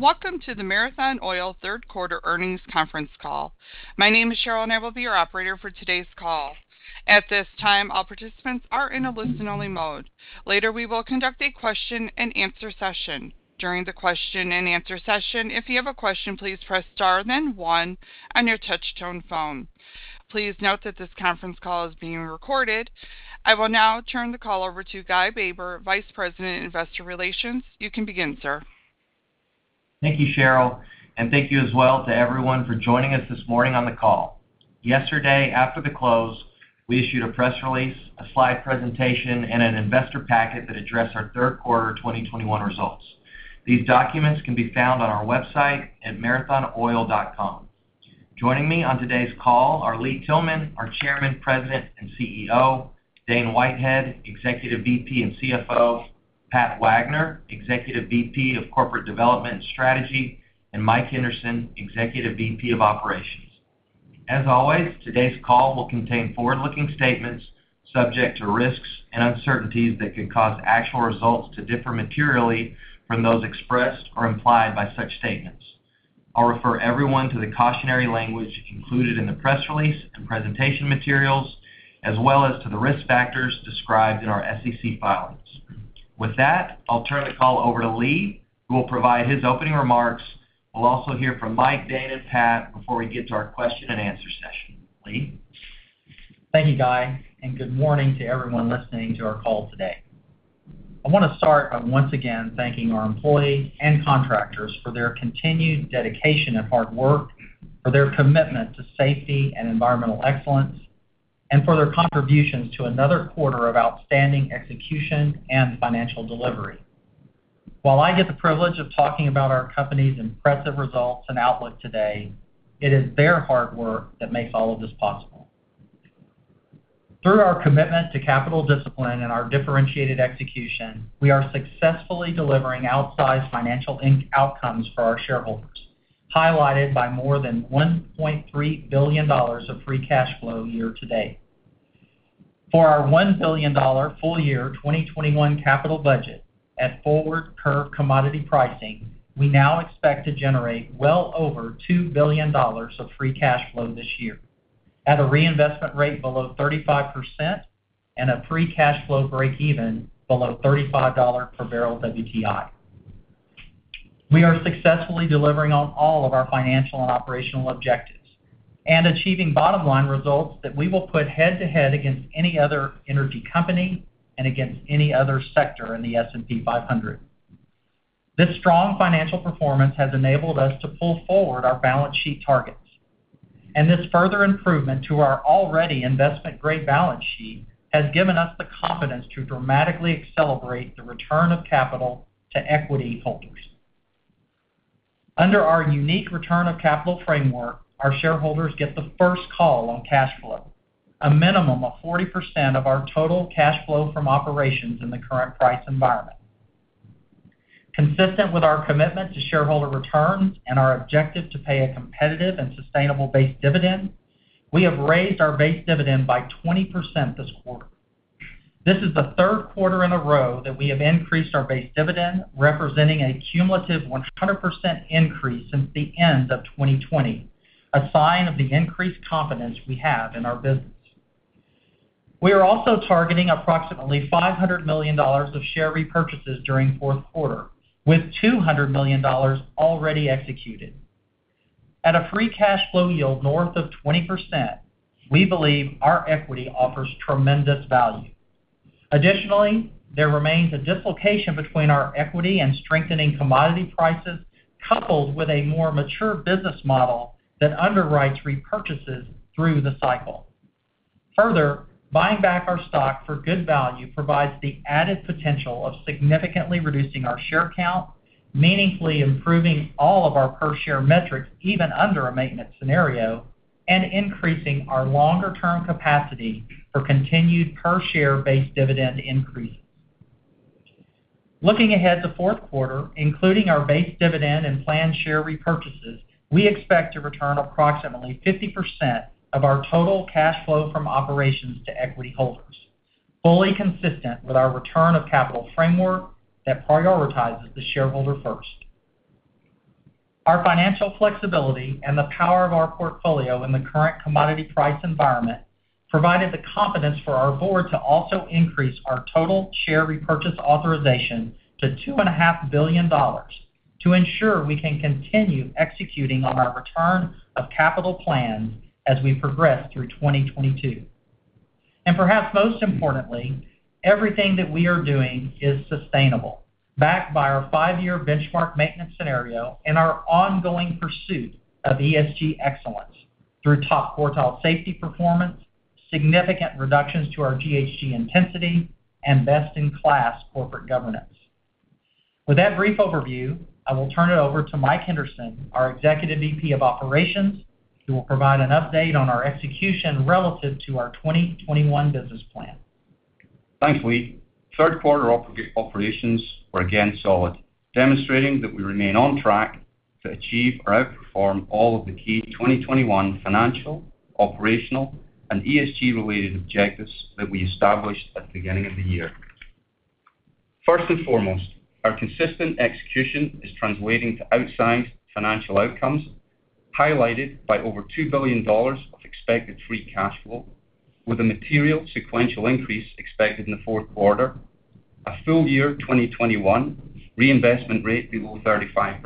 Welcome to the Marathon Oil Third Quarter Earnings Conference Call. My name is Cheryl, and I will be your operator for today's call. At this time, all participants are in a listen-only mode. Later, we will conduct a question-and-answer session. During the question-and-answer session, if you have a question, please press star then one on your touch tone phone. Please note that this conference call is being recorded. I will now turn the call over to Guy Baber, Vice President, Investor Relations. You can begin, sir. Thank you, Cheryl. Thank you as well to everyone for joining us this morning on the call. Yesterday after the close, we issued a press release, a slide presentation, and an investor packet that addressed our third quarter 2021 results. These documents can be found on our website at marathonoil.com. Joining me on today's call are Lee Tillman, our chairman, president, and CEO, Dane Whitehead, Executive VP and CFO, Pat Wagner, Executive VP of Corporate Development and Strategy, and Mike Henderson, Executive VP of Operations. As always, today's call will contain forward-looking statements subject to risks and uncertainties that could cause actual results to differ materially from those expressed or implied by such statements. I'll refer everyone to the cautionary language included in the press release and presentation materials, as well as to the risk factors described in our SEC filings. With that, I'll turn the call over to Lee, who will provide his opening remarks. We'll also hear from Mike, Dane, and Pat before we get to our question-and-answer session. Lee? Thank you, Guy, and good morning to everyone listening to our call today. I wanna start by once again thanking our employees and contractors for their continued dedication and hard work, for their commitment to safety and environmental excellence, and for their contributions to another quarter of outstanding execution and financial delivery. While I get the privilege of talking about our company's impressive results and outlook today, it is their hard work that makes all of this possible. Through our commitment to capital discipline and our differentiated execution, we are successfully delivering outsized financial outcomes for our shareholders, highlighted by more than $1.3 billion of free cash flow year to date. For our $1 billion full year 2021 capital budget at forward curve commodity pricing, we now expect to generate well over $2 billion of free cash flow this year at a reinvestment rate below 35% and a free cash flow breakeven below $35 per barrel WTI. We are successfully delivering on all of our financial and operational objectives and achieving bottom-line results that we will put head-to-head against any other energy company and against any other sector in the S&P 500. This strong financial performance has enabled us to pull forward our balance sheet targets, and this further improvement to our already investment-grade balance sheet has given us the confidence to dramatically accelerate the return of capital to equity holders. Under our unique return of capital framework, our shareholders get the first call on cash flow, a minimum of 40% of our total cash flow from operations in the current price environment. Consistent with our commitment to shareholder returns and our objective to pay a competitive and sustainable base dividend, we have raised our base dividend by 20% this quarter. This is the third quarter in a row that we have increased our base dividend, representing a cumulative 100% increase since the end of 2020, a sign of the increased confidence we have in our business. We are also targeting approximately $500 million of share repurchases during fourth quarter, with $200 million already executed. At a free cash flow yield north of 20%, we believe our equity offers tremendous value. Additionally, there remains a dislocation between our equity and strengthening commodity prices, coupled with a more mature business model that underwrites repurchases through the cycle. Further, buying back our stock for good value provides the added potential of significantly reducing our share count, meaningfully improving all of our per-share metrics even under a maintenance scenario, and increasing our longer-term capacity for continued per-share base dividend increases. Looking ahead to fourth quarter, including our base dividend and planned share repurchases, we expect to return approximately 50% of our total cash flow from operations to equity holders, fully consistent with our return of capital framework that prioritizes the shareholder first. Our financial flexibility and the power of our portfolio in the current commodity price environment provided the confidence for our board to also increase our total share repurchase authorization to $2.5 billion to ensure we can continue executing on our return of capital plans as we progress through 2022. Perhaps most importantly, everything that we are doing is sustainable, backed by our five-year benchmark maintenance scenario and our ongoing pursuit of ESG excellence through top quartile safety performance, significant reductions to our GHG intensity, and best-in-class corporate governance. With that brief overview, I will turn it over to Mike Henderson, our Executive VP of Operations, who will provide an update on our execution relative to our 2021 business plan. Thanks, Lee. Third quarter operations were again solid, demonstrating that we remain on track. To achieve or outperform all of the key 2021 financial, operational, and ESG-related objectives that we established at the beginning of the year. First and foremost, our consistent execution is translating to outsized financial outcomes, highlighted by over $2 billion of expected free cash flow, with a material sequential increase expected in the fourth quarter, a full-year 2021 reinvestment rate below 35%,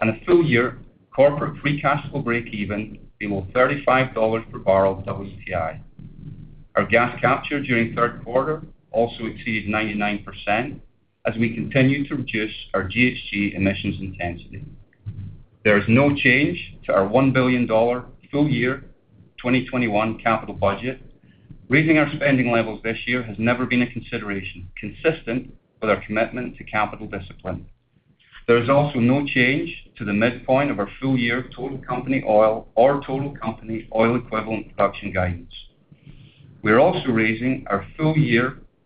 and a full-year corporate free cash flow breakeven below $35 per barrel WTI. Our gas capture during third quarter also exceeded 99% as we continue to reduce our GHG emissions intensity. There is no change to our $1 billion full-year 2021 capital budget. Raising our spending levels this year has never been a consideration, consistent with our commitment to capital discipline. There is also no change to the midpoint of our full-year 2021 total company oil or total company oil equivalent production guidance. We are also raising our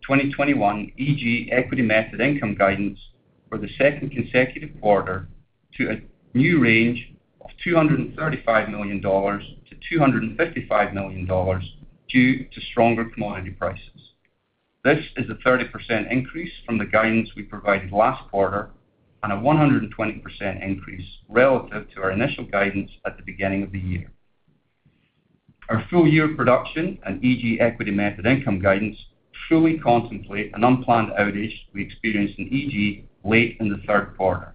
full-year 2021 EG equity method income guidance for the second consecutive quarter to a new range of $235 million-$255 million due to stronger commodity prices. This is a 30% increase from the guidance we provided last quarter and a 120% increase relative to our initial guidance at the beginning of the year. Our full-year production and EG equity method income guidance truly contemplate an unplanned outage we experienced in EG late in the third quarter.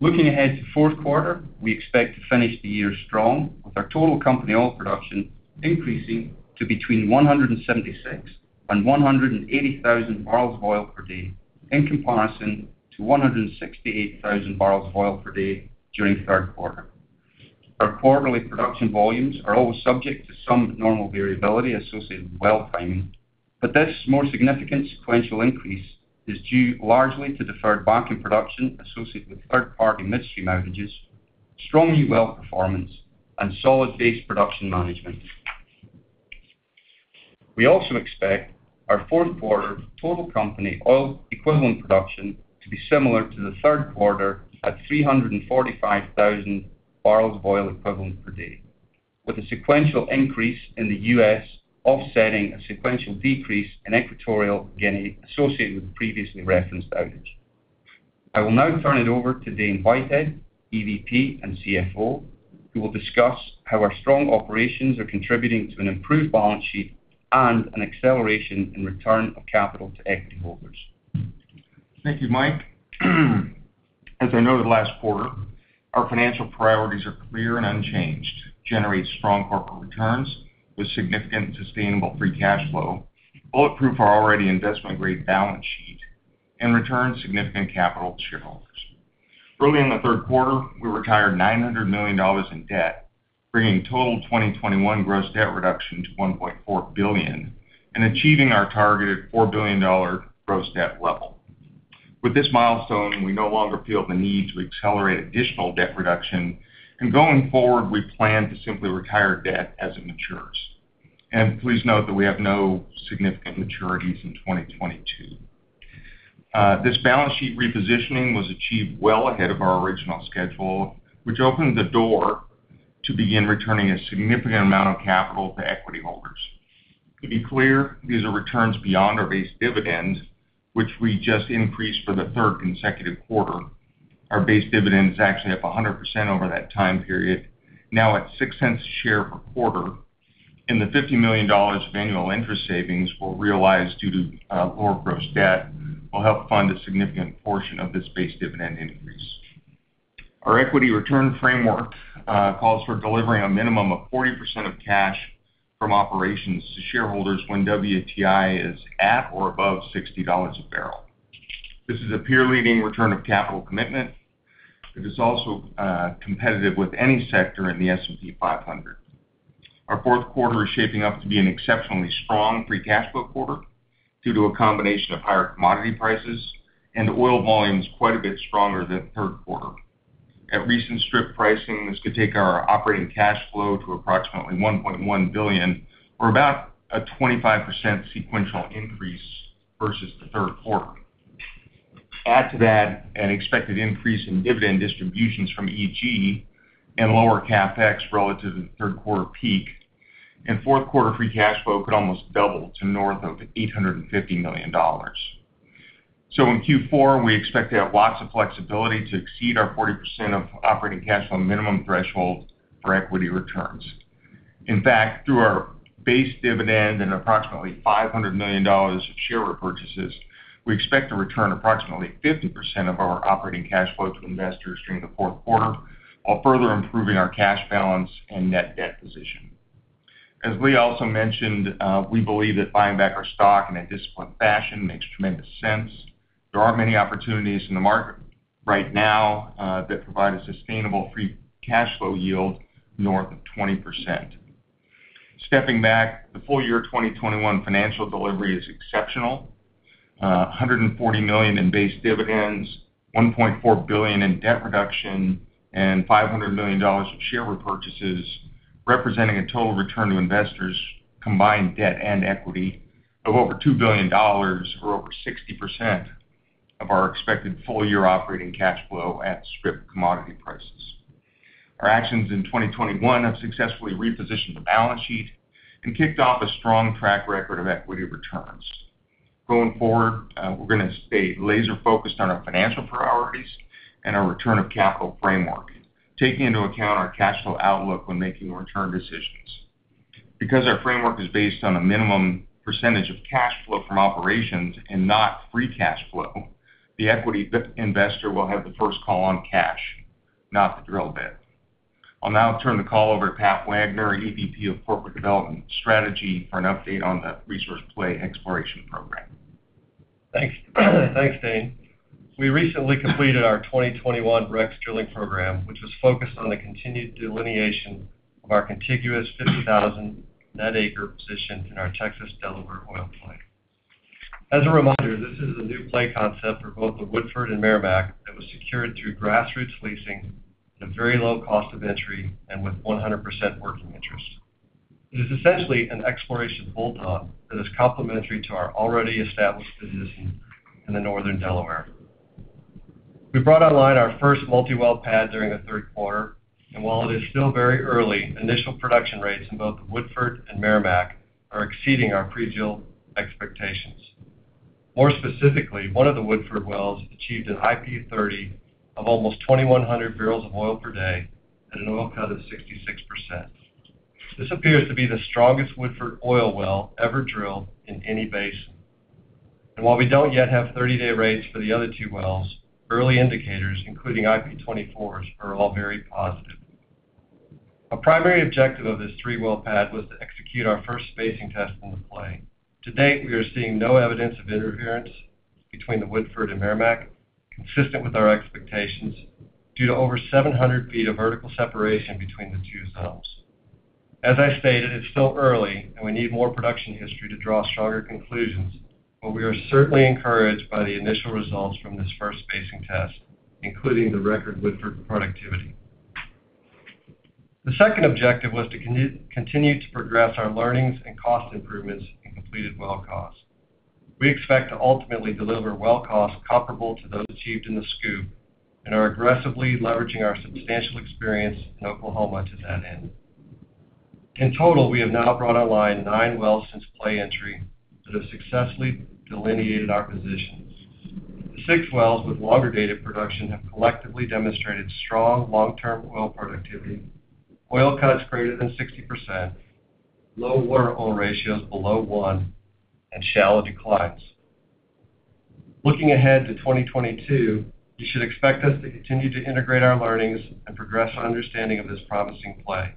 Looking ahead to fourth quarter, we expect to finish the year strong with our total company oil production increasing to between 176,000 and 180,000 barrels of oil per day in comparison to 168,000 barrels of oil per day during third quarter. Our quarterly production volumes are always subject to some normal variability associated with well timing, but this more significant sequential increase is due largely to deferred back-in production associated with third-party midstream outages, strong new well performance, and solid base production management. We also expect our fourth quarter total company oil equivalent production to be similar to the third quarter at 345,000 barrels of oil equivalent per day, with a sequential increase in the U.S. offsetting a sequential decrease in Equatorial Guinea associated with the previously referenced outage. I will now turn it over to Dane Whitehead, EVP and CFO, who will discuss how our strong operations are contributing to an improved balance sheet and an acceleration in return of capital to equity holders. Thank you, Mike. As I noted last quarter, our financial priorities are clear and unchanged. Generate strong corporate returns with significant sustainable free cash flow, bulletproof our already investment-grade balance sheet, and return significant capital to shareholders. Early in the third quarter, we retired $900 million in debt, bringing total 2021 gross debt reduction to $1.4 billion and achieving our targeted $4 billion gross debt level. With this milestone, we no longer feel the need to accelerate additional debt reduction, and going forward, we plan to simply retire debt as it matures. Please note that we have no significant maturities in 2022. This balance sheet repositioning was achieved well ahead of our original schedule, which opened the door to begin returning a significant amount of capital to equity holders. To be clear, these are returns beyond our base dividends, which we just increased for the third consecutive quarter. Our base dividend is actually up 100% over that time period, now at $0.06 per share per quarter, and the $50 million of annual interest savings we'll realize due to lower gross debt will help fund a significant portion of this base dividend increase. Our equity return framework calls for delivering a minimum of 40% of cash from operations to shareholders when WTI is at or above $60 a barrel. This is a peer-leading return of capital commitment. It is also competitive with any sector in the S&P 500. Our fourth quarter is shaping up to be an exceptionally strong free cash flow quarter due to a combination of higher commodity prices and oil volumes quite a bit stronger than third quarter. At recent strip pricing, this could take our operating cash flow to approximately $1.1 billion, or about a 25% sequential increase versus the third quarter. Add to that an expected increase in dividend distributions from EG and lower CapEx relative to the third quarter peak, and fourth quarter free cash flow could almost double to north of $850 million. In Q4, we expect to have lots of flexibility to exceed our 40% of operating cash flow minimum threshold for equity returns. In fact, through our base dividend and approximately $500 million of share repurchases, we expect to return approximately 50% of our operating cash flow to investors during the fourth quarter while further improving our cash balance and net debt position. As Lee also mentioned, we believe that buying back our stock in a disciplined fashion makes tremendous sense. There are many opportunities in the market right now that provide a sustainable free cash flow yield north of 20%. Stepping back, the full-year 2021 financial delivery is exceptional. $140 million in base dividends, $1.4 billion in debt reduction, and $500 million of share repurchases, representing a total return to investors, combined debt and equity, Of over $2 billion or over 60% of our expected full-year operating cash flow at strip commodity prices. Our actions in 2021 have successfully repositioned the balance sheet and kicked off a strong track record of equity returns. Going forward, we're gonna stay laser-focused on our financial priorities and our return of capital framework, taking into account our cash flow outlook when making return decisions. Because our framework is based on a minimum percentage of cash flow from operations and not free cash flow, the equity investor will have the first call on cash, not the drill bit. I'll now turn the call over to Pat Wagner, EVP of Corporate Development and Strategy, for an update on the resource play exploration program. Thanks. Thanks, Dane. We recently completed our 2021 Rex drilling program, which was focused on the continued delineation of our contiguous 50,000 net acre position in our Texas Delaware oil play. As a reminder, this is a new play concept for both the Woodford and Meramec that was secured through grassroots leasing at a very low cost of entry and with 100% working interest. It is essentially an exploration bulldog that is complementary to our already established position in the Northern Delaware. We brought online our first multi-well pad during the third quarter, and while it is still very early, initial production rates in both the Woodford and Meramec are exceeding our pre-drill expectations. More specifically, one of the Woodford wells achieved an IP 30 of almost 2,100 barrels of oil per day at an oil cut of 66%. This appears to be the strongest Woodford oil well ever drilled in any basin. While we don't yet have 30-day rates for the other two wells, early indicators, including IP 24s, are all very positive. A primary objective of this three-well pad was to execute our first spacing test in the play. To date, we are seeing no evidence of interference between the Woodford and Meramec, consistent with our expectations, due to over 700 feet of vertical separation between the two zones. As I stated, it's still early, and we need more production history to draw stronger conclusions, but we are certainly encouraged by the initial results from this first spacing test, including the record Woodford productivity. The second objective was to continue to progress our learnings and cost improvements in completed well costs. We expect to ultimately deliver well costs comparable to those achieved in the Scoop and are aggressively leveraging our substantial experience in Oklahoma to that end. In total, we have now brought online nine wells since play entry that have successfully delineated our positions. The nine wells with longer data production have collectively demonstrated strong long-term oil productivity, oil cuts greater than 60%, low water-oil ratios below one, and shallow declines. Looking ahead to 2022, you should expect us to continue to integrate our learnings and progress our understanding of this promising play.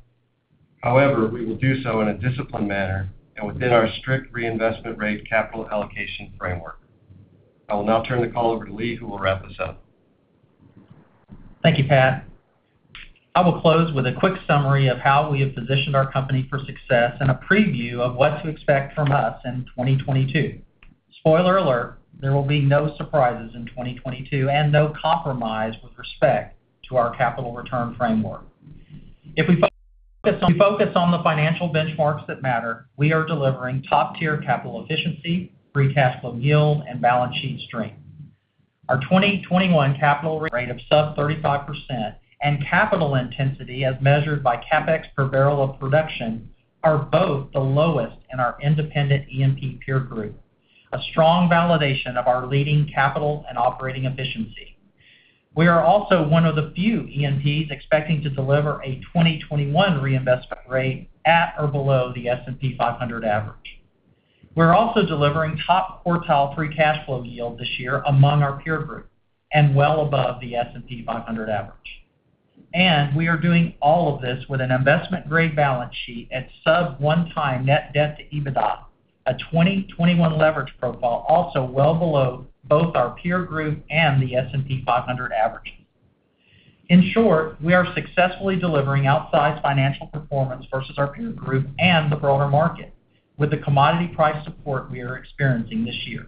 However, we will do so in a disciplined manner and within our strict reinvestment rate capital allocation framework. I will now turn the call over to Lee, who will wrap us up. Thank you, Pat. I will close with a quick summary of how we have positioned our company for success and a preview of what to expect from us in 2022. Spoiler alert, there will be no surprises in 2022 and no compromise with respect to our capital return framework. If we focus on the financial benchmarks that matter, we are delivering top-tier capital efficiency, free cash flow yield, and balance sheet strength. Our 2021 capital rate of sub 35% and capital intensity, as measured by CapEx per barrel of production, are both the lowest in our independent E&P peer group, a strong validation of our leading capital and operating efficiency. We are also one of the few E&Ps expecting to deliver a 2021 reinvestment rate at or below the S&P 500 average. We're also delivering top quartile free cash flow yield this year among our peer group and well above the S&P 500 average. We are doing all of this with an investment-grade balance sheet at sub 1x net debt to EBITDA, a 2021 leverage profile also well below both our peer group and the S&P 500 average. In short, we are successfully delivering outsized financial performance versus our peer group and the broader market with the commodity price support we are experiencing this year.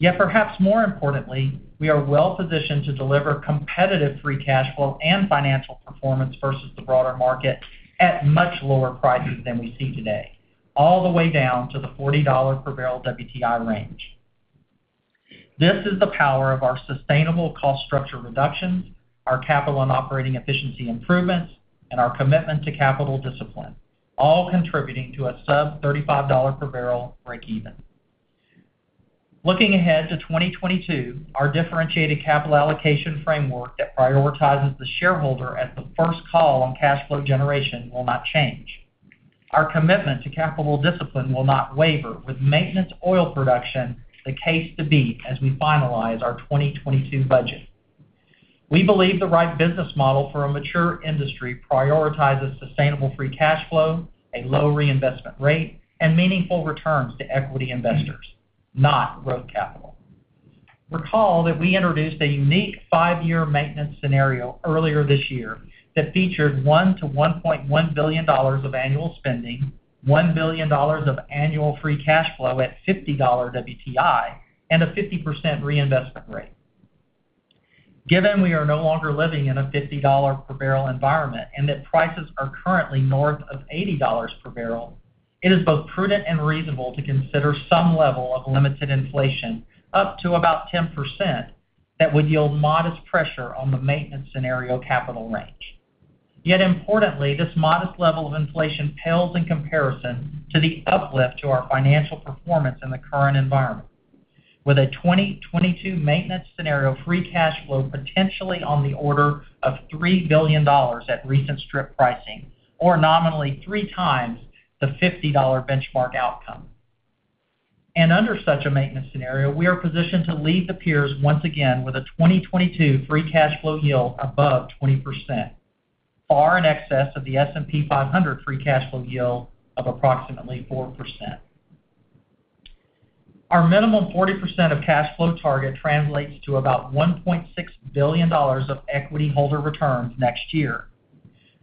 Yet perhaps more importantly, we are well-positioned to deliver competitive free cash flow and financial performance versus the broader market at much lower prices than we see today, all the way down to the $40 per barrel WTI range. This is the power of our sustainable cost structure reductions, our capital and operating efficiency improvements, and our commitment to capital discipline, all contributing to a sub $35 per barrel breakeven. Looking ahead to 2022, our differentiated capital allocation framework that prioritizes the shareholder as the first call on cash flow generation will not change. Our commitment to capital discipline will not waver, with maintenance oil production the case to beat as we finalize our 2022 budget. We believe the right business model for a mature industry prioritizes sustainable free cash flow, a low reinvestment rate, and meaningful returns to equity investors, not growth capital. Recall that we introduced a unique five-year maintenance scenario earlier this year that featured $1-$1.1 billion of annual spending, $1 billion of annual free cash flow at $50 WTI, and a 50% reinvestment rate. Given we are no longer living in a $50 per barrel environment and that prices are currently north of $80 per barrel, it is both prudent and reasonable to consider some level of limited inflation up to about 10% that would yield modest pressure on the maintenance scenario capital range. Yet importantly, this modest level of inflation pales in comparison to the uplift to our financial performance in the current environment. With a 2022 maintenance scenario, free cash flow potentially on the order of $3 billion at recent strip pricing, or nominally three times the $50 benchmark outcome. Under such a maintenance scenario, we are positioned to lead the peers once again with a 2022 free cash flow yield above 20%, far in excess of the S&P 500 free cash flow yield of approximately 4%. Our minimum 40% of cash flow target translates to about $1.6 billion of equity holder returns next year.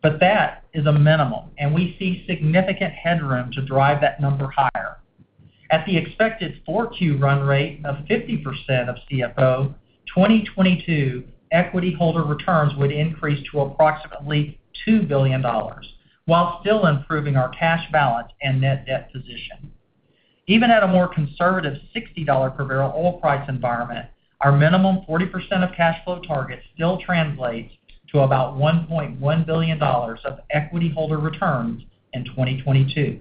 That is a minimum, and we see significant headroom to drive that number higher. At the expected 4Q run rate of 50% of CFO, 2022 equity holder returns would increase to approximately $2 billion while still improving our cash balance and net debt position. Even at a more conservative $60 per barrel oil price environment, our minimum 40% of cash flow target still translates to about $1.1 billion of equity holder returns in 2022.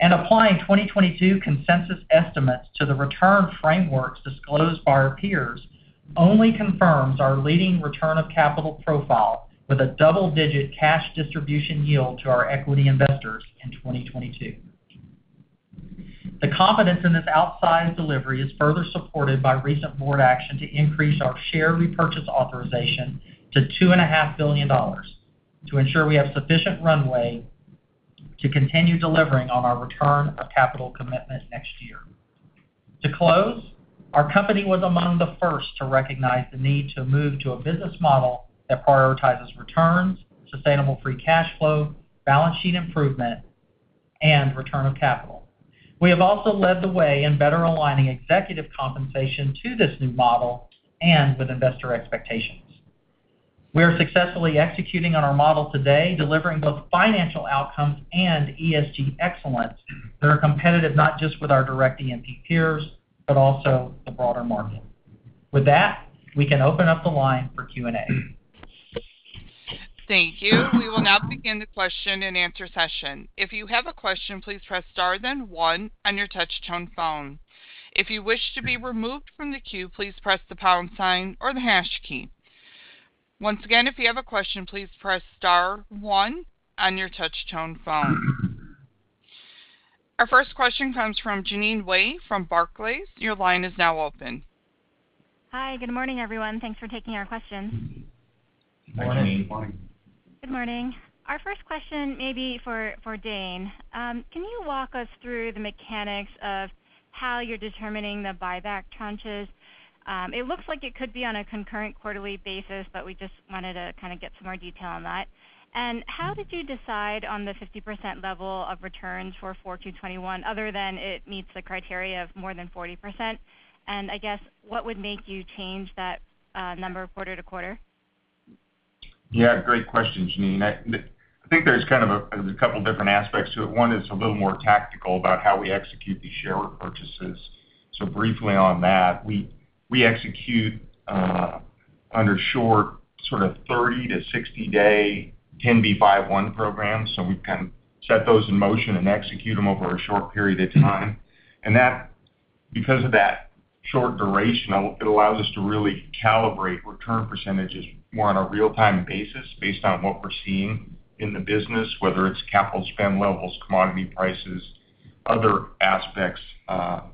Applying 2022 consensus estimates to the return frameworks disclosed by our peers only confirms our leading return of capital profile with a double-digit cash distribution yield to our equity investors in 2022. The confidence in this outsized delivery is further supported by recent board action to increase our share repurchase authorization to $2.5 billion to ensure we have sufficient runway to continue delivering on our return of capital commitment next year. To close, our company was among the first to recognize the need to move to a business model that prioritizes returns, sustainable free cash flow, balance sheet improvement, and return of capital. We have also led the way in better aligning executive compensation to this new model and with investor expectations. We are successfully executing on our model today, delivering both financial outcomes and ESG excellence that are competitive not just with our direct E&P peers, but also the broader market. With that, we can open up the line for Q&A. Thank you. We will now begin the question and answer session. If you have a question, please press star then one on your touch tone phone. If you wish to be removed from the queue, please press the pound sign or the hash key. Once again, if you have a question, please press star one on your touch tone phone. Our first question comes from Jean Ann Salisbury from Bernstein. Your line is now open. Hi. Good morning, everyone. Thanks for taking our questions. Good morning. Good morning. Good morning. Our first question may be for Dane. Can you walk us through the mechanics of how you're determining the buyback tranches? It looks like it could be on a concurrent quarterly basis, but we just wanted to kind of get some more detail on that. How did you decide on the 50% level of returns for Q4 2021, other than it meets the criteria of more than 40%? I guess, what would make you change that number quarter to quarter? Yeah, great question, Jean Ann. I think there's kind of a couple different aspects to it. One is a little more tactical about how we execute these share repurchases. Briefly on that, we execute under short sort of 30- to 60-day 10b5-1 programs, so we kind of set those in motion and execute them over a short period of time. Because of that short duration, it allows us to really calibrate return percentages more on a real-time basis based on what we're seeing in the business, whether it's capital spend levels, commodity prices, other aspects of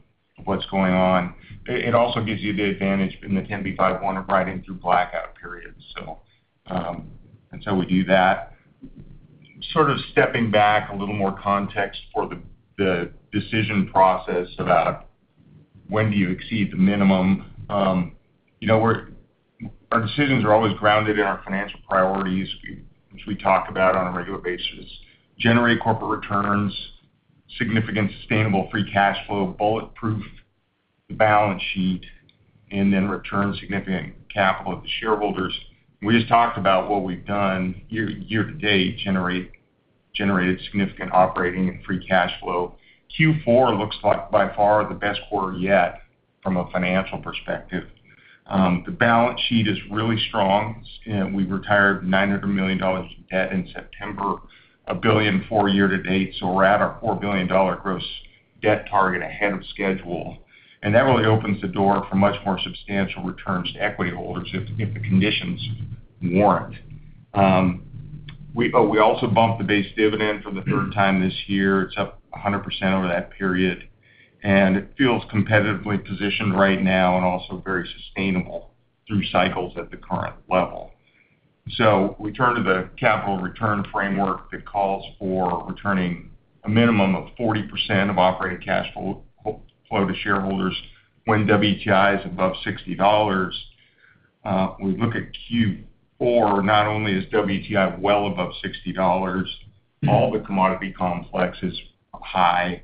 what's going on. It also gives you the advantage in the 10b5-1 of riding through blackout periods. We do that. Sort of stepping back, a little more context for the decision process about when do you exceed the minimum. You know, our decisions are always grounded in our financial priorities, which we talk about on a regular basis. Generate corporate returns, significant sustainable free cash flow, bulletproof the balance sheet, and then return significant capital to shareholders. We just talked about what we've done year to date, generated significant operating and free cash flow. Q4 looks like by far the best quarter yet from a financial perspective. The balance sheet is really strong. We retired $900 million of debt in September, $1 billion year to date. We're at our $4 billion gross debt target ahead of schedule. That really opens the door for much more substantial returns to equity holders if the conditions warrant. We also bumped the base dividend for the third time this year. It's up 100% over that period. It feels competitively positioned right now and also very sustainable through cycles at the current level. We turn to the capital return framework that calls for returning a minimum of 40% of operating cash flow to shareholders when WTI is above $60. We look at Q4, not only is WTI well above $60, all the commodity complex is high.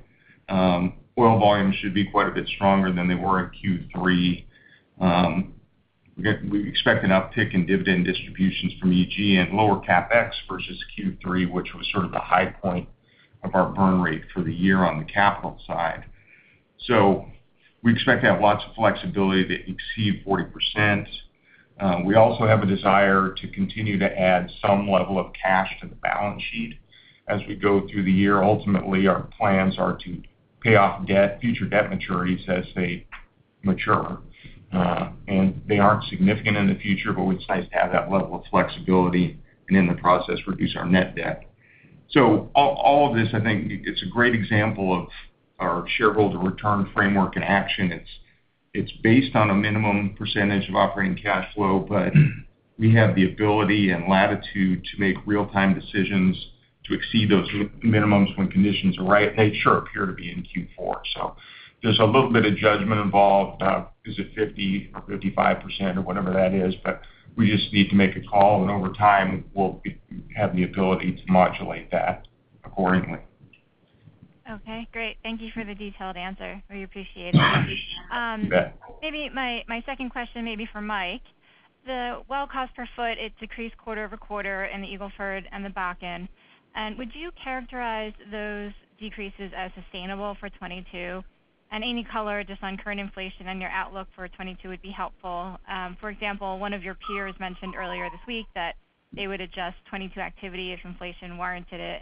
Oil volumes should be quite a bit stronger than they were in Q3. We expect an uptick in dividend distributions from EG and lower CapEx versus Q3, which was sort of the high point of our burn rate for the year on the capital side. We expect to have lots of flexibility to exceed 40%. We also have a desire to continue to add some level of cash to the balance sheet as we go through the year. Ultimately, our plans are to pay off debt, future debt maturities as they mature. They aren't significant in the future, but it's nice to have that level of flexibility and in the process, reduce our net debt. All of this, I think it's a great example of our shareholder return framework in action. It's based on a minimum percentage of operating cash flow, but we have the ability and latitude to make real-time decisions to exceed those minimums when conditions are right. They sure appear to be in Q4. There's a little bit of judgment involved. Is it 50 or 55% or whatever that is, but we just need to make a call, and over time, we'll have the ability to modulate that accordingly. Okay, great. Thank you for the detailed answer. We appreciate it. You bet. Maybe my second question may be for Mike. The well cost per foot, it decreased quarter-over-quarter in the Eagle Ford and the Bakken. Would you characterize those decreases as sustainable for 2022? Any color just on current inflation and your outlook for 2022 would be helpful. For example, one of your peers mentioned earlier this week that they would adjust 2022 activity if inflation warranted it.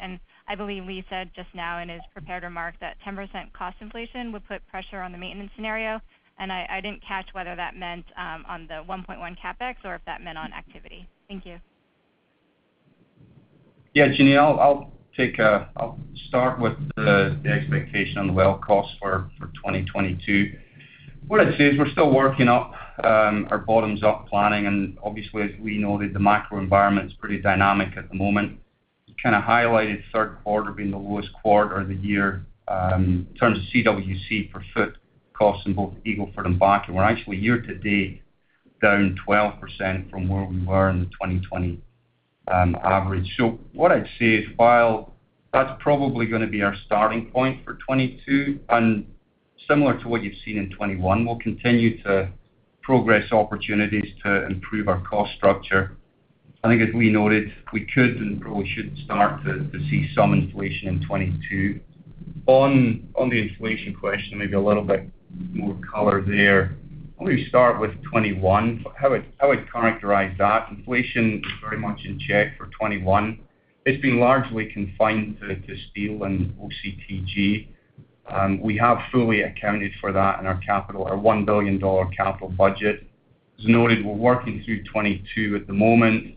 I believe Lee said just now in his prepared remarks that 10% cost inflation would put pressure on the maintenance scenario, and I didn't catch whether that meant on the $1.1 CapEx or if that meant on activity. Thank you. Yeah, Jean Ann, I'll start with the expectation on the well cost for 2022. What I'd say is we're still working up our bottoms-up planning, and obviously, as we know that the macro environment is pretty dynamic at the moment. It kinda highlighted third quarter being the lowest quarter of the year, in terms of CWC per foot costs in both Eagle Ford and Bakken. We're actually year to date down 12% from where we were in the 2020 average. What I'd say is, while that's probably gonna be our starting point for 2022, and similar to what you've seen in 2021, we'll continue to progress opportunities to improve our cost structure. I think as we noted, we could and probably should start to see some inflation in 2022. On the inflation question, maybe a little bit more color there. Let me start with 2021. How I'd characterize that, inflation is very much in check for 2021. It's been largely confined to steel and OCTG. We have fully accounted for that in our $1 billion capital budget. As noted, we're working through 2022 at the moment,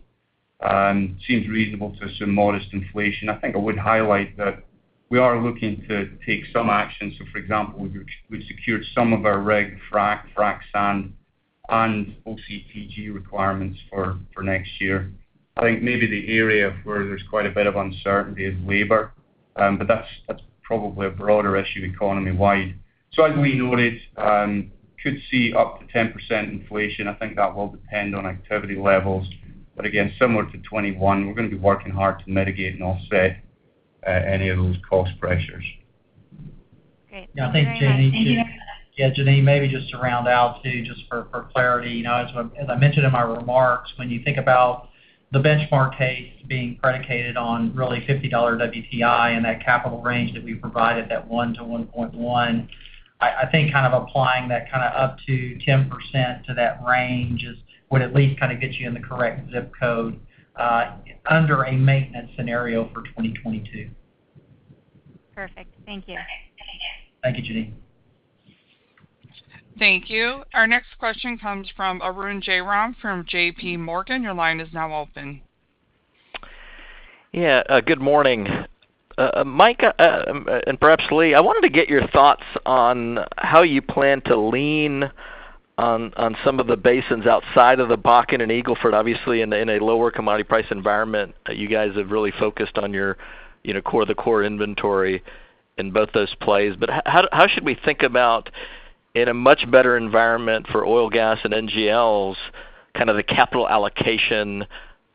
and it seems reasonable to assume modest inflation. I think I would highlight that we are looking to take some action. For example, we've secured some of our reg frac sand and OCTG requirements for next year. I think the area where there's quite a bit of uncertainty is labor, but that's probably a broader issue economy-wide. As we noted, we could see up to 10% inflation. I think that will depend on activity levels. Again, similar to 21, we're gonna be working hard to mitigate and offset any of those cost pressures. Great. Thank you very much. Yeah. I think, Jean Ann. Thank you. Yeah, Jean Ann, maybe just to round out too, just for clarity. You know, as I mentioned in my remarks, when you think about the benchmark case being predicated on really $50 WTI and that capital range that we provided, that 1-1.1, I think kind of applying that kinda up to 10% to that range would at least kinda get you in the correct ZIP code under a maintenance scenario for 2022. Perfect. Thank you. Thank you, Jean Ann. Thank you. Our next question comes from Arun Jayaram from JPMorgan. Your line is now open. Yeah. Good morning. Mike, and perhaps Lee, I wanted to get your thoughts on how you plan to lean on some of the basins outside of the Bakken and Eagle Ford. Obviously, in a lower commodity price environment, you guys have really focused on your, you know, core to core inventory in both those plays. How should we think about in a much better environment for oil, gas, and NGLs, kind of the capital allocation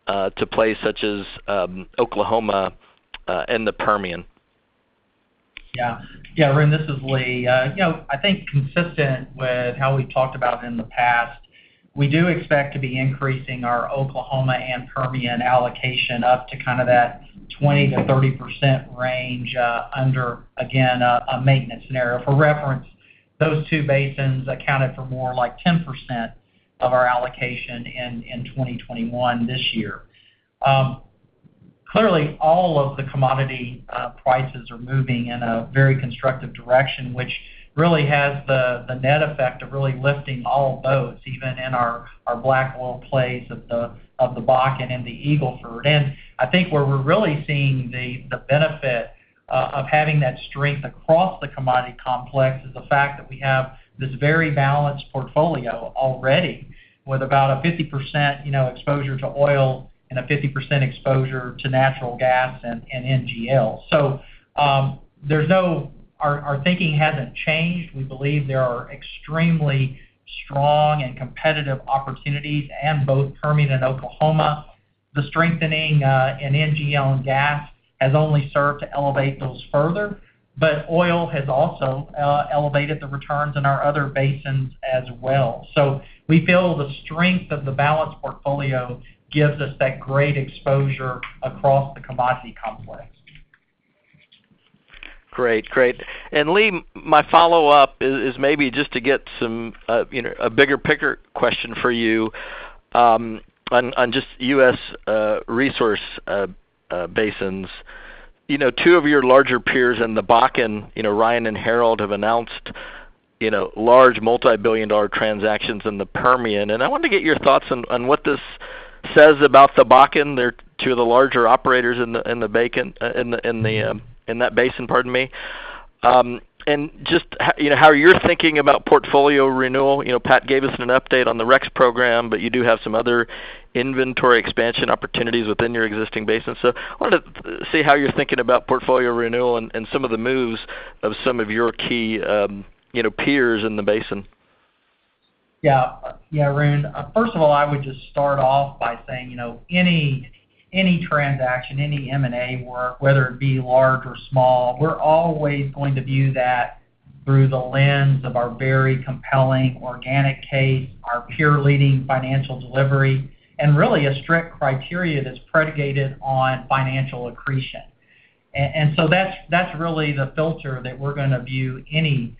to plays such as Oklahoma and the Permian? Yeah. Yeah, Arun, this is Lee. You know, I think consistent with how we've talked about in the past, we do expect to be increasing our Oklahoma and Permian allocation up to kind of that 20%-30% range, under, again, a maintenance scenario. For reference, those two basins accounted for more like 10% of our allocation in 2021 this year. Clearly, all of the commodity prices are moving in a very constructive direction, which really has the net effect of really lifting all boats, even in our black oil plays of the Bakken and the Eagle Ford. I think where we're really seeing the benefit of having that strength across the commodity complex is the fact that we have this very balanced portfolio already with about a 50%, you know, exposure to oil and a 50% exposure to natural gas and NGL. Our thinking hasn't changed. We believe there are extremely strong and competitive opportunities in both Permian and Oklahoma. The strengthening in NGL and gas has only served to elevate those further. Oil has also elevated the returns in our other basins as well. We feel the strength of the balanced portfolio gives us that great exposure across the commodity complex. Great. Lee, my follow-up is maybe just to get some, you know, a bigger picture question for you, on just U.S. resource basins. You know, two of your larger peers in the Bakken, you know, Hess and Harold Hamm have announced, you know, large multi-billion-dollar transactions in the Permian. I wanted to get your thoughts on what this says about the Bakken. They're two of the larger operators in the Bakken, in that basin, pardon me. You know, how you're thinking about portfolio renewal. You know, Pat gave us an update on the Rex program, but you do have some other inventory expansion opportunities within your existing basin. I wanted to see how you're thinking about portfolio renewal and some of the moves of some of your key, you know, peers in the basin. Yeah. Yeah, Arun. First of all, I would just start off by saying, you know, any transaction, any M&A work, whether it be large or small, we're always going to view that through the lens of our very compelling organic case, our peer-leading financial delivery, and really a strict criteria that's predicated on financial accretion. That's really the filter that we're gonna view any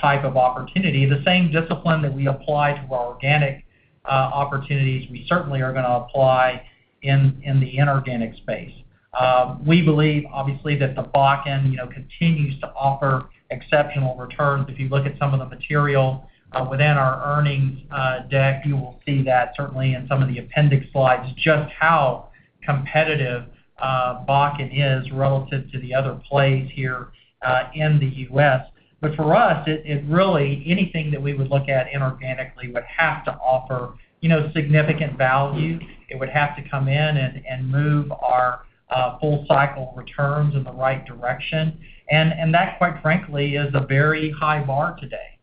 type of opportunity. The same discipline that we apply to our organic opportunities, we certainly are gonna apply in the inorganic space. We believe, obviously, that the Bakken, you know, continues to offer exceptional returns. If you look at some of the material within our earnings deck, you will see that certainly in some of the appendix slides, just how competitive Bakken is relative to the other plays here in the U.S. For us, anything that we would look at inorganically would have to offer, you know, significant value. It would have to come in and move our full cycle returns in the right direction. That, quite frankly, is a very high bar today.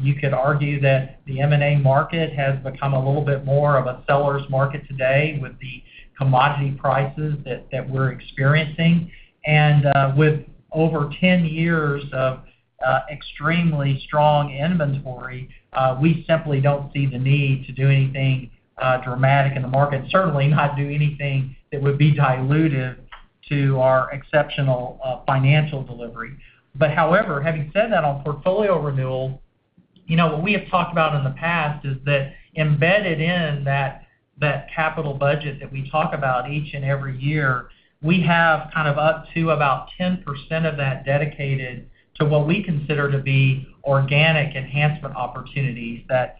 You could argue that the M&A market has become a little bit more of a seller's market today with the commodity prices that we're experiencing. With over 10 years of extremely strong inventory, we simply don't see the need to do anything dramatic in the market. Certainly not do anything that would be dilutive to our exceptional financial delivery. However, having said that on portfolio renewal, you know, what we have talked about in the past is that embedded in that capital budget that we talk about each and every year, we have kind of up to about 10% of that dedicated to what we consider to be organic enhancement opportunities that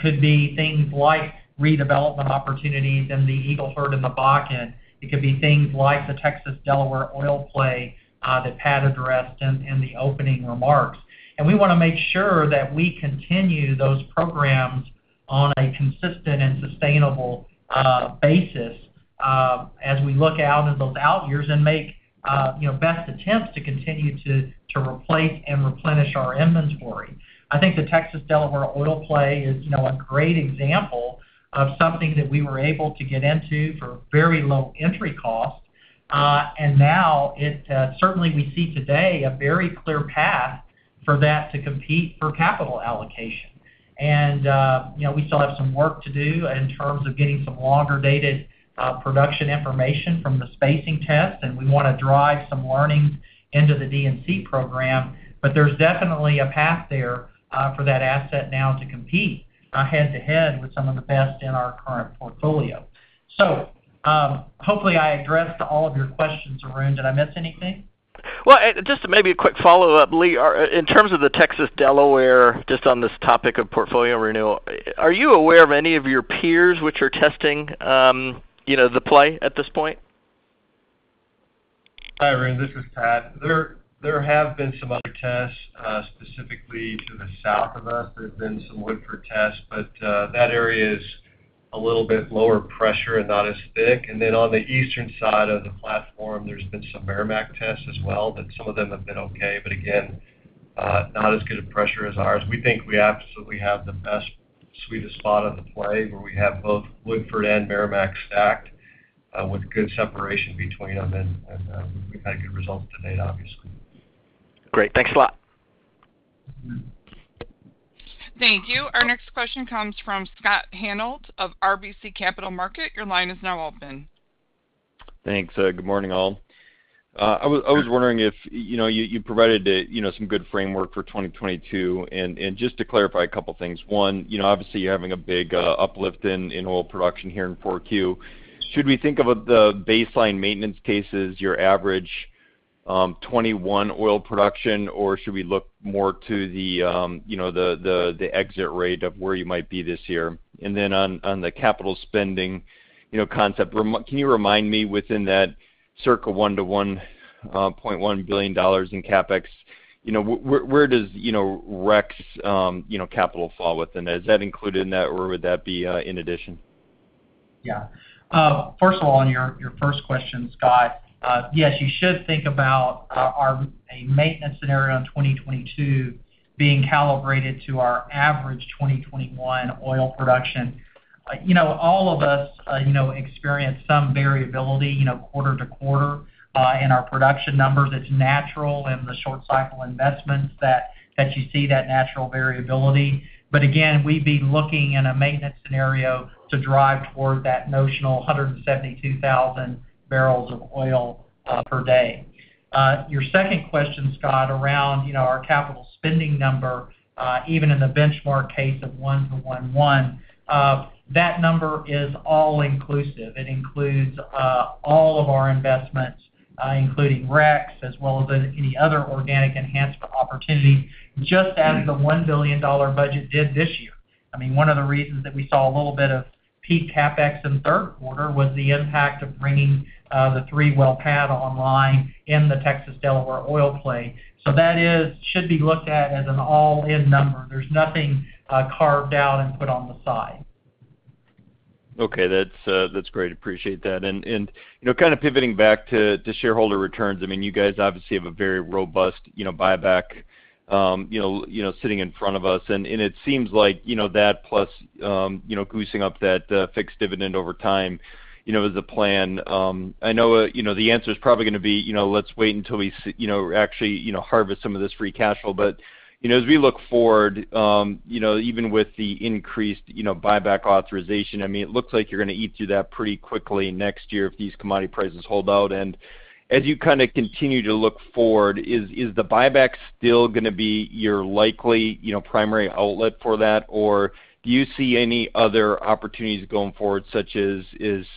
could be things like redevelopment opportunities in the Eagle Ford and the Bakken. It could be things like the Texas Delaware oil play that Pat addressed in the opening remarks. We wanna make sure that we continue those programs on a consistent and sustainable basis as we look out into those out years and make, you know, best attempts to continue to replace and replenish our inventory. I think the Texas Delaware oil play is, you know, a great example of something that we were able to get into for very low entry cost. Now it certainly we see today a very clear path for that to compete for capital allocation. You know, we still have some work to do in terms of getting some longer dated production information from the spacing test, and we wanna drive some learnings into the D&C program. There's definitely a path there for that asset now to compete head to head with some of the best in our current portfolio. Hopefully I addressed all of your questions, Arun. Did I miss anything? Well, just maybe a quick follow-up, Lee. In terms of the Texas Delaware, just on this topic of portfolio renewal, are you aware of any of your peers which are testing, you know, the play at this point? Hi, Arun, this is Pat. There have been some other tests, specifically to the south of us. There's been some Woodford tests, but that area is a little bit lower pressure and not as thick. Then on the eastern side of the platform, there's been some Meramec tests as well, but some of them have been okay. Again, not as good a pressure as ours. We think we absolutely have the best, sweetest spot on the play, where we have both Woodford and Meramec stacked, with good separation between them and we've had good results to date, obviously. Great. Thanks a lot. Mm-hmm. Thank you. Our next question comes from Scott Hanold of RBC Capital Markets. Your line is now open. Thanks. Good morning, all. Good morning. I was wondering if, you know, you provided a, you know, some good framework for 2022. Just to clarify a couple things. One, you know, obviously you're having a big uplift in oil production here in 4Q. Should we think about the baseline maintenance case as your average 2021 oil production, or should we look more to the, you know, the exit rate of where you might be this year? On the capital spending, you know, concept, can you remind me within that circa $1.1 billion in CapEx, you know, where does, you know, Rex capital fall within? Is that included in that, or would that be in addition? Yeah. First of all, on your first question, Scott, yes, you should think about our maintenance scenario in 2022 being calibrated to our average 2021 oil production. You know, all of us, you know, experience some variability, you know, quarter to quarter, in our production numbers. It's natural in the short cycle investments that that you see that natural variability. Again, we'd be looking in a maintenance scenario to drive toward that notional 172,000 barrels of oil per day. Your second question, Scott, around, you know, our capital spending number, even in the benchmark case of 101, that number is all inclusive. It includes, all of our investments, including REX, as well as any other organic enhancement opportunity, just as the $1 billion budget did this year. I mean, one of the reasons that we saw a little bit of peak CapEx in the third quarter was the impact of bringing the three well pad online in the Texas Delaware oil play. That should be looked at as an all-in number. There's nothing carved out and put on the side. Okay. That's great. Appreciate that. You know, kind of pivoting back to shareholder returns, I mean, you guys obviously have a very robust, you know, buyback, you know, sitting in front of us, and it seems like, you know, that plus, you know, goosing up that fixed dividend over time, you know, is the plan. I know, you know, the answer is probably gonna be, you know, let's wait until you know, actually, you know, harvest some of this free cash flow. But you know, as we look forward, you know, even with the increased, you know, buyback authorization, I mean, it looks like you're gonna eat through that pretty quickly next year if these commodity prices hold out. As you kind of continue to look forward, is the buyback still gonna be your likely, you know, primary outlet for that? Or do you see any other opportunities going forward, such as,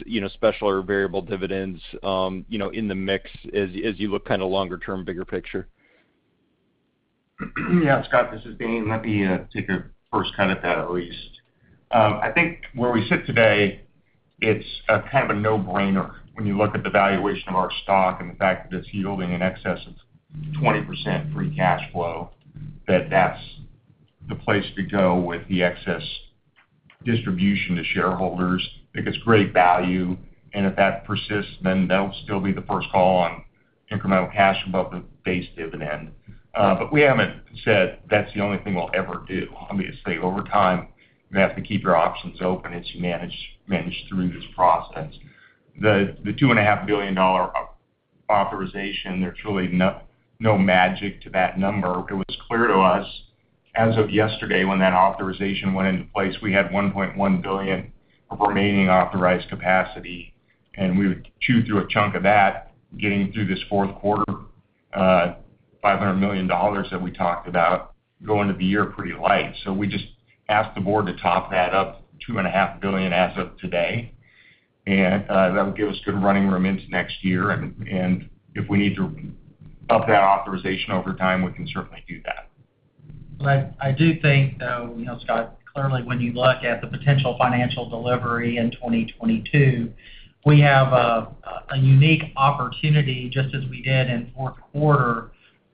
you know, special or variable dividends, you know, in the mix as you look kind of longer term, bigger picture? Yeah, Scott, this is Dane. Let me take a first cut at that at least. I think where we sit today, it's kind of a no-brainer when you look at the valuation of our stock and the fact that it's yielding in excess of 20% free cash flow, that's the place to go with the excess distribution to shareholders. I think it's great value. If that persists, then that'll still be the first call on incremental cash above the base dividend. But we haven't said that's the only thing we'll ever do. Obviously, over time, you have to keep your options open as you manage through this process. The $2.5 billion authorization, there's truly no magic to that number. It was clear to us as of yesterday when that authorization went into place, we had $1.1 billion of remaining authorized capacity, and we would chew through a chunk of that getting through this fourth quarter, $500 million that we talked about, going into the year pretty light. We just asked the board to top that up $2.5 billion as of today, and that would give us good running room into next year. If we need to up that authorization over time, we can certainly do that. I do think, though, you know, Scott, clearly, when you look at the potential financial delivery in 2022, we have a unique opportunity, just as we did in fourth quarter,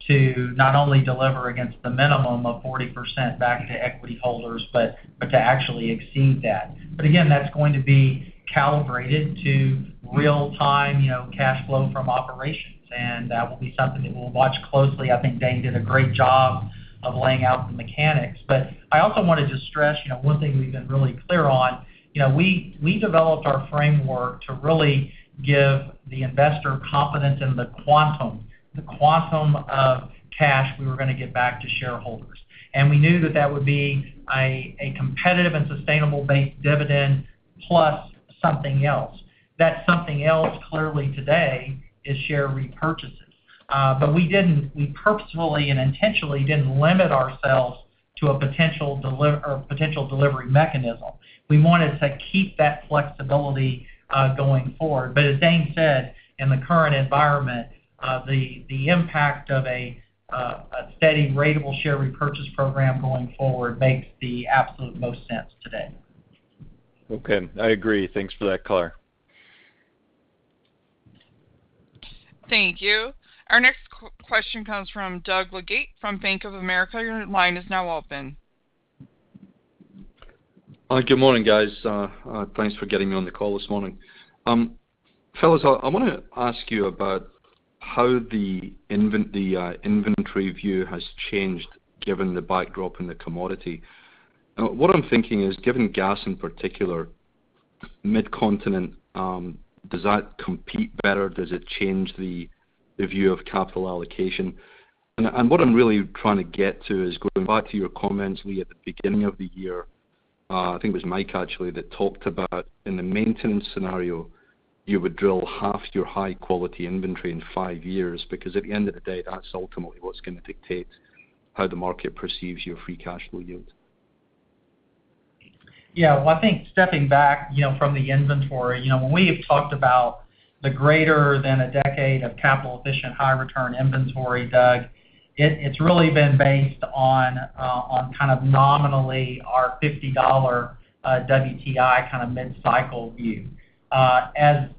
to not only deliver against the minimum of 40% back to equity holders, but to actually exceed that. Again, that's going to be calibrated to real time, you know, cash flow from operations, and that will be something that we'll watch closely. I think Dane did a great job of laying out the mechanics. I also wanted to stress, you know, one thing we've been really clear on, you know, we developed our framework to really give the investor confidence in the quantum of cash we were gonna give back to shareholders. We knew that would be a competitive and sustainable base dividend plus something else. That something else clearly today is share repurchases. We purposefully and intentionally didn't limit ourselves to a potential delivery mechanism. We wanted to keep that flexibility going forward. As Dane said, in the current environment, the impact of a steady ratable share repurchase program going forward makes the absolute most sense today. Okay. I agree. Thanks for that color. Thank you. Our next question comes from Doug Leggate from Bank of America. Your line is now open. Good morning, guys. Thanks for getting me on the call this morning. Fellas, I wanna ask you about how the inventory view has changed given the backdrop in the commodity. What I'm thinking is, given gas in particular, Midcontinent, does that compete better? Does it change the view of capital allocation? What I'm really trying to get to is going back to your comments, Lee, at the beginning of the year. I think it was Mike actually that talked about in the maintenance scenario, you would drill half your high-quality inventory in five years, because at the end of the day, that's ultimately what's gonna dictate how the market perceives your free cash flow yield. Yeah. Well, I think stepping back, you know, from the inventory, you know, when we have talked about the greater than a decade of capital efficient, high return inventory, Doug, it's really been based on kind of nominally our $50 WTI kind of mid-cycle view. As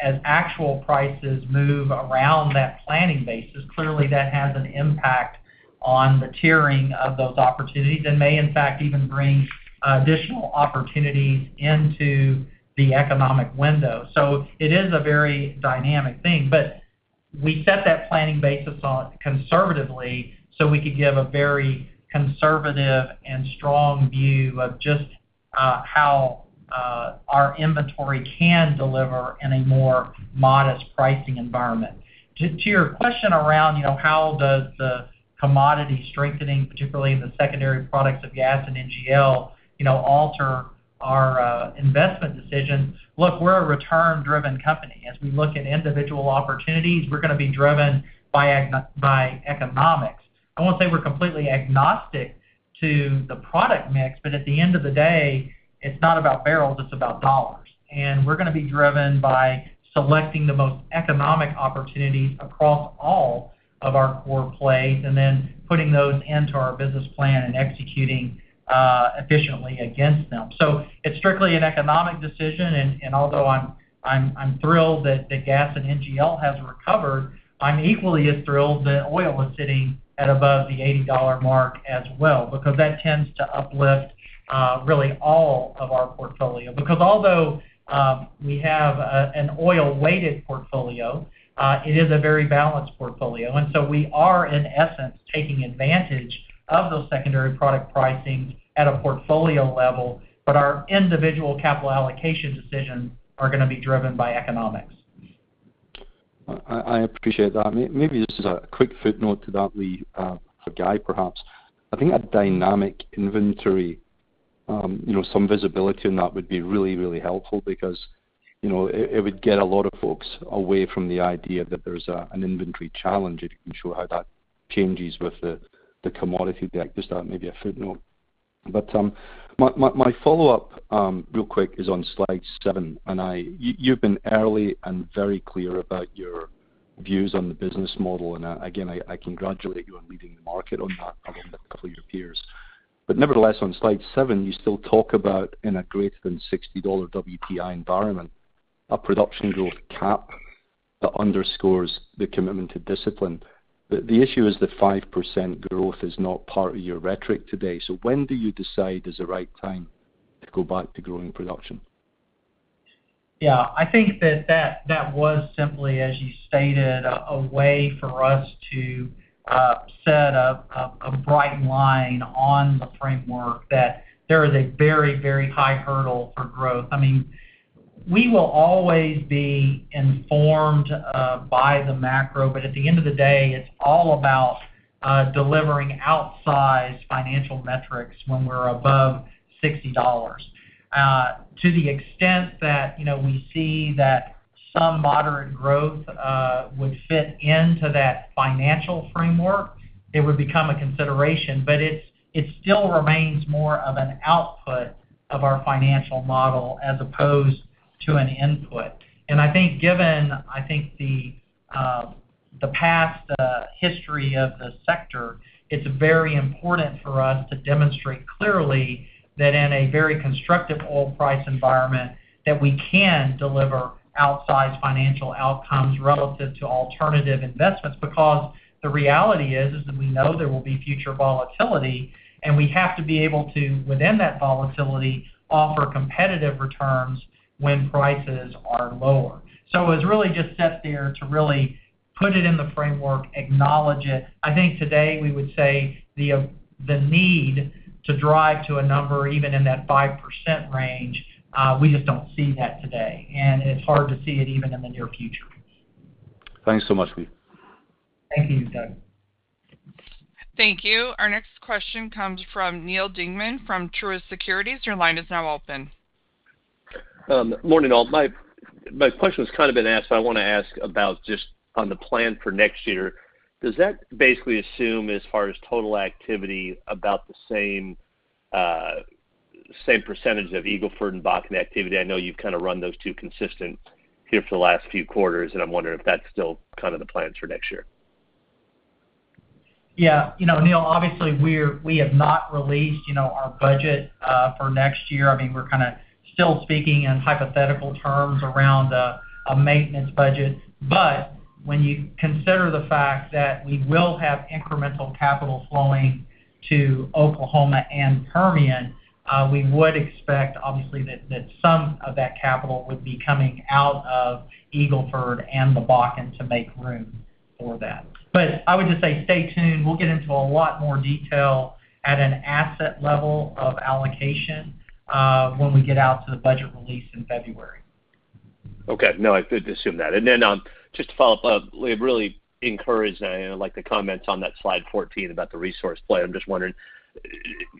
actual prices move around that planning basis, clearly that has an impact on the tiering of those opportunities and may in fact even bring additional opportunities into the economic window. It is a very dynamic thing, but we set that planning basis on conservatively so we could give a very conservative and strong view of just how our inventory can deliver in a more modest pricing environment. To your question around, you know, how does the commodity strengthening, particularly the secondary products of gas and NGL, you know, alter our investment decisions, look, we're a return driven company. As we look at individual opportunities, we're gonna be driven by economics. I won't say we're completely agnostic to the product mix, but at the end of the day, it's not about barrels, it's about dollars. We're gonna be driven by selecting the most economic opportunities across all of our core plays and then putting those into our business plan and executing efficiently against them. It's strictly an economic decision, and although I'm thrilled that the gas and NGL has recovered, I'm equally as thrilled that oil is sitting at above the $80 mark as well because that tends to uplift really all of our portfolio. Because although we have an oil-weighted portfolio, it is a very balanced portfolio. We are in essence taking advantage of those secondary product pricing at a portfolio level, but our individual capital allocation decisions are gonna be driven by economics. I appreciate that. Maybe this is a quick footnote to that, Lee, or Guy perhaps. I think a dynamic inventory, you know, some visibility on that would be really helpful because, you know, it would get a lot of folks away from the idea that there's an inventory challenge if you can show how that changes with the commodity deck. Just that maybe a footnote. My follow-up real quick is on slide seven, and you've been early and very clear about your views on the business model. Again, I congratulate you on leading the market on that along with a couple of your peers. Nevertheless, on slide seven, you still talk about in a greater than $60 WTI environment, a production growth cap that underscores the commitment to discipline. The issue is that 5% growth is not part of your rhetoric today. When do you decide is the right time to go back to growing production? Yeah. I think that was simply, as you stated, a way for us to set a bright line on the framework that there is a very, very high hurdle for growth. I mean, we will always be informed by the macro, but at the end of the day, it's all about delivering outsized financial metrics when we're above $60. To the extent that, you know, we see that some moderate growth would fit into that financial framework, it would become a consideration. It still remains more of an output of our financial model as opposed to an input. I think given the past history of the sector, it's very important for us to demonstrate clearly that in a very constructive oil price environment, that we can deliver outsized financial outcomes relative to alternative investments. Because the reality is that we know there will be future volatility, and we have to be able to, within that volatility, offer competitive returns when prices are lower. It was really just set there to really put it in the framework, acknowledge it. I think today we would say the need to drive to a number even in that 5% range, we just don't see that today, and it's hard to see it even in the near future. Thanks so much, Lee. Thank you, Doug. Thank you. Our next question comes from Neal Dingmann from Truist Securities. Your line is now open. Morning, all. My question has kinda been asked, so I wanna ask about just on the plan for next year. Does that basically assume, as far as total activity, about the same same percentage of Eagle Ford and Bakken activity? I know you've kinda run those two consistent here for the last few quarters, and I'm wondering if that's still kind of the plans for next year. Yeah. You know, Neal, obviously, we have not released, you know, our budget for next year. I mean, we're kinda still speaking in hypothetical terms around a maintenance budget. When you consider the fact that we will have incremental capital flowing to Oklahoma and Permian, we would expect obviously that some of that capital would be coming out of Eagle Ford and the Bakken to make room for that. I would just say stay tuned. We'll get into a lot more detail at an asset level of allocation when we get out to the budget release in February. Okay. No, I did assume that. Just to follow up, Lee, I'm really encouraged, like the comments on that slide 14 about the resource play. I'm just wondering,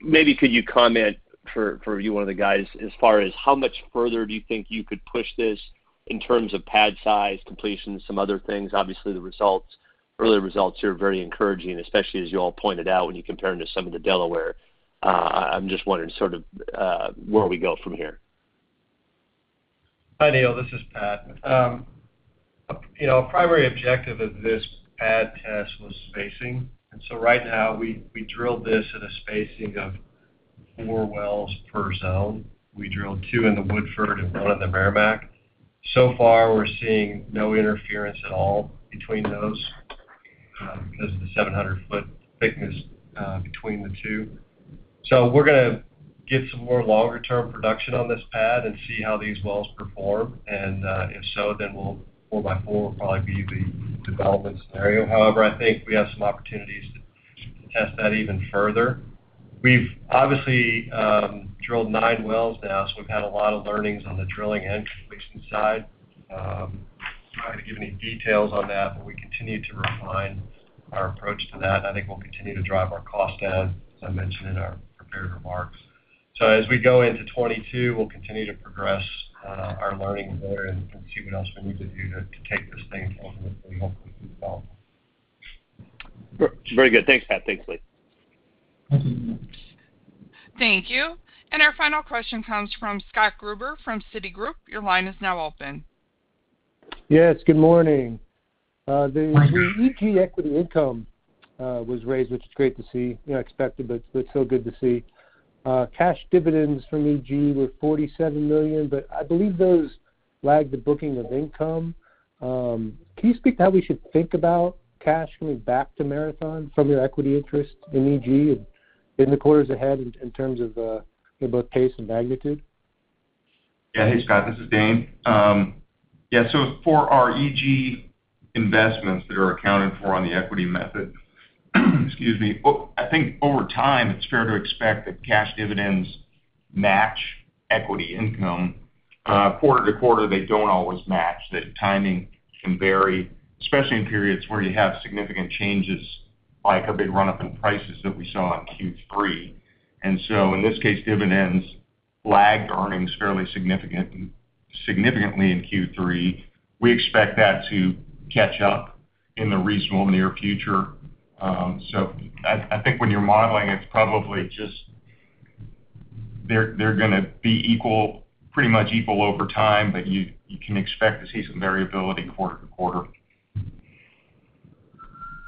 maybe could you comment for you, one of the guys, as far as how much further do you think you could push this in terms of pad size, completions, some other things? Obviously, the results, early results here are very encouraging, especially as you all pointed out when you compare them to some of the Delaware. I'm just wondering sort of, where we go from here. Hi, Neal. This is Pat. You know, our primary objective of this pad test was spacing. Right now we drilled this in a spacing of four wells per zone. We drilled two in the Woodford and one in the Meramec. So far, we're seeing no interference at all between those, because of the 700-foot thickness between the two. We're gonna get some more longer-term production on this pad and see how these wells perform. If so, then four by four will probably be the development scenario. However, I think we have some opportunities to test that even further. We've obviously drilled nine wells now, so we've had a lot of learnings on the drilling and completion side. I'm not going to give any details on that, but we continue to refine our approach to that, and I think we'll continue to drive our cost down, as I mentioned in our prepared remarks. As we go into 2022, we'll continue to progress our learning there and see what else we need to do to take this thing ultimately, hopefully, develop. Very good. Thanks, Pat. Thanks, Lee. Thank you. Our final question comes from Scott Gruber from Citigroup. Your line is now open. Yes, good morning. Good morning. EG equity income was raised, which is great to see, you know, expected, but still good to see. Cash dividends from EG were $47 million, but I believe those lag the booking of income. Can you speak to how we should think about cash coming back to Marathon from your equity interest in EG in the quarters ahead in terms of you know, both pace and magnitude? Yeah. Hey, Scott, this is Dane. For our E&P investments that are accounted for on the equity method, excuse me. I think over time, it's fair to expect that cash dividends match equity income. Quarter to quarter, they don't always match. The timing can vary, especially in periods where you have significant changes, like a big run-up in prices that we saw in Q3. In this case, dividends lagged earnings significantly in Q3. We expect that to catch up in the reasonably near future. I think when you're modeling, it's probably just they're gonna be equal, pretty much equal over time, but you can expect to see some variability quarter to quarter.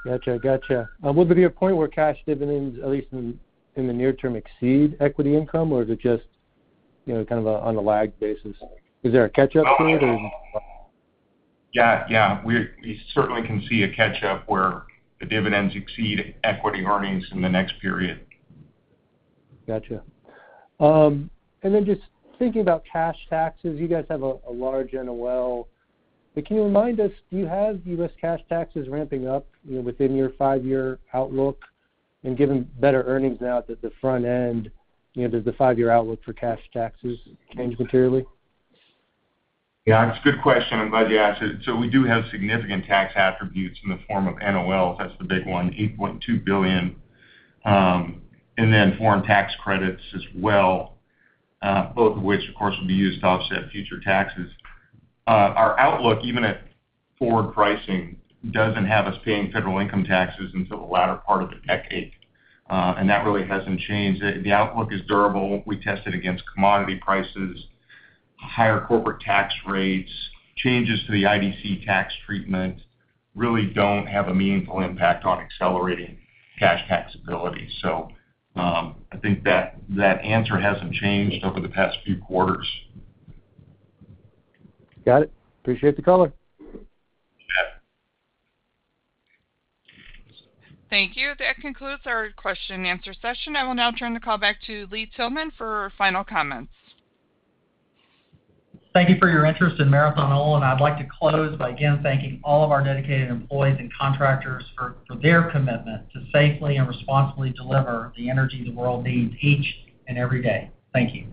Gotcha. Would there be a point where cash dividends, at least in the near term, exceed equity income, or is it just, you know, kind of on a lag basis? Is there a catch-up period or... Yeah. Yeah. We certainly can see a catch-up where the dividends exceed equity earnings in the next period. Gotcha. Then just thinking about cash taxes, you guys have a large NOL. Can you remind us, do you have U.S. cash taxes ramping up, you know, within your five-year outlook? Given better earnings now at the front end, you know, does the five-year outlook for cash taxes change materially? Yeah, it's a good question. I'm glad you asked it. We do have significant tax attributes in the form of NOLs. That's the big one, $8.2 billion, and then foreign tax credits as well, both of which, of course, will be used to offset future taxes. Our outlook, even at forward pricing, doesn't have us paying federal income taxes until the latter part of the decade, and that really hasn't changed. The outlook is durable. We test it against commodity prices, higher corporate tax rates. Changes to the IDC tax treatment really don't have a meaningful impact on accelerating cash taxability. I think that answer hasn't changed over the past few quarters. Got it. Appreciate the color. Yeah. Thank you. That concludes our question and answer session. I will now turn the call back to Lee Tillman for final comments. Thank you for your interest in Marathon Oil, and I'd like to close by again thanking all of our dedicated employees and contractors for their commitment to safely and responsibly deliver the energy the world needs each and every day. Thank you.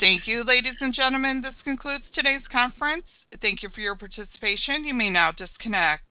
Thank you, ladies and gentlemen. This concludes today's conference. Thank you for your participation. You may now disconnect.